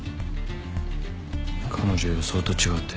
彼女予想と違って。